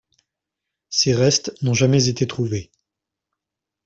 Ses restes n'ont jamais été trouvés.